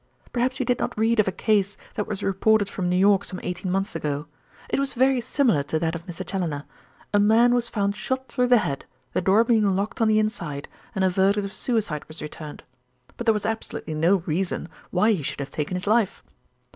"Perhaps you did not read of a case that was reported from New York some eighteen months ago. It was very similar to that of Mr. Challoner. A man was found shot through the head, the door being locked on the inside, and a verdict of suicide was returned; but there was absolutely no reason why he should have taken his life.